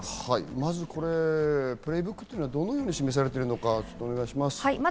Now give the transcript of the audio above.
まずこれ、プレイブックというのはどのように示されているのか、お願いします。